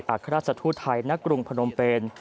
สถานเอกอักษรราชทูตไทยณกรุงพนมเป็น